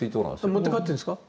持って帰ってるんですか？